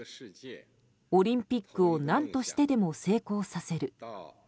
オリンピックを何としてでも成功させる。